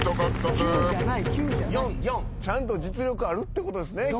ちゃんと実力あるってことですね。